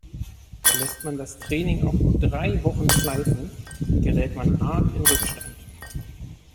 Lässt man das Training auch nur drei Wochen schleifen, gerät man arg in Rückstand.